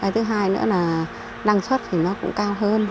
thứ hai nữa là năng suất thì nó cũng cao hơn